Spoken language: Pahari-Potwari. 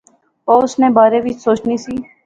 او اس نے بارے وچ سوچنی سی